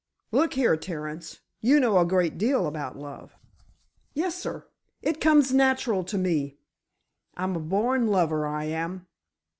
"Look here, Terence, you know a great deal about love." "Yessir, it—it comes natural to me. I'm a born lover, I am."